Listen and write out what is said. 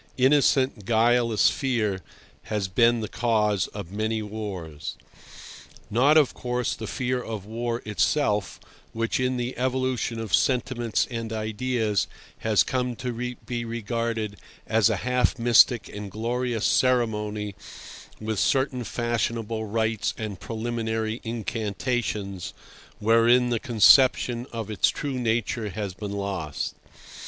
Innocent, guileless fear has been the cause of many wars. Not, of course, the fear of war itself, which, in the evolution of sentiments and ideas, has come to be regarded at last as a half mystic and glorious ceremony with certain fashionable rites and preliminary incantations, wherein the conception of its true nature has been lost.